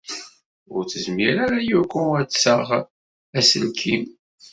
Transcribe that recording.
Ur tezmir ara Yoko ad taɣ aselkim.